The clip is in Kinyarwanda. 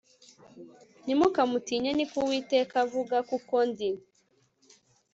ntimukamutinye ni ko Uwiteka avuga kuko ndi